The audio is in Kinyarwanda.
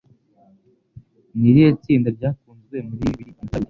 Ni irihe tsinda ryakunzwe muri bibiri na kabiri